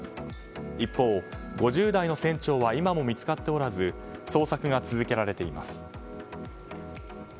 一方、５０代の船長は今も見つかっておらず捜索が続けられています。